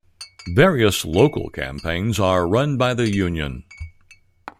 Various local campaigns are run by the union.